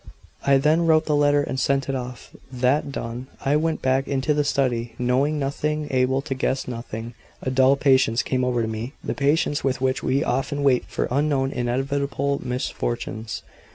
I then wrote the letter and sent it off. That done, I went back into the study. Knowing nothing able to guess nothing a dull patience came over me, the patience with which we often wait for unknown, inevitable misfortunes.